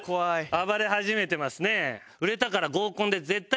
暴れ始めてますね。